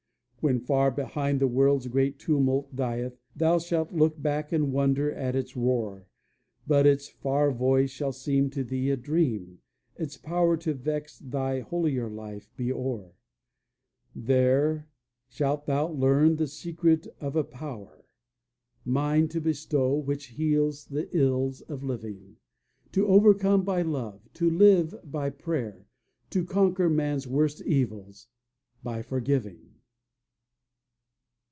"When far behind the world's great tumult dieth, Thou shalt look back and wonder at its roar; But its far voice shall seem to thee a dream, Its power to vex thy holier life be o'er. "There shalt thou learn the secret of a power, Mine to bestow, which heals the ills of living; To overcome by love, to live by prayer, To conquer man's worst evils by forgiving."